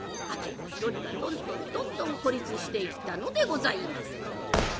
子一人がどんどんどんどん孤立していったのでございます。